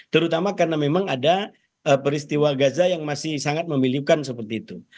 terutama karena memang ada peristiwa gaza yang masih sangat memiliupkan seperti itu